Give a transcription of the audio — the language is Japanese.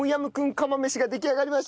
釜飯が出来上がりました！